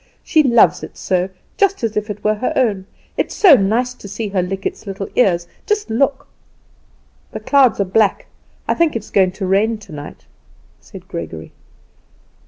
She loves it so just as if it were her own. It is so nice to see her lick its little ears. Just look!" "The clouds are black. I think it is going to rain tonight," said Gregory.